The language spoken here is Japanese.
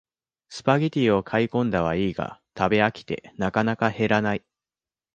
スパゲティを買いこんだはいいが食べ飽きてなかなか減らない